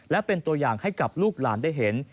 และเป็นตัวอย่างให้กับลูกหลานได้เห็น